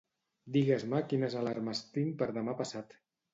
Digues-me quines alarmes tinc per demà passat.